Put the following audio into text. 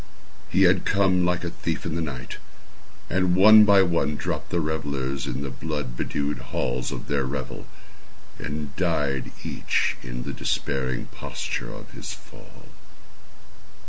He had come like a thief in the night. And one by one dropped the revellers in the blood bedewed halls of their revel, and died each in the despairing posture of his fall.